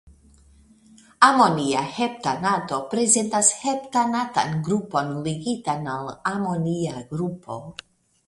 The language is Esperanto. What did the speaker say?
Amonia heptanato prezentas heptanatan grupon ligitan al amonia grupo.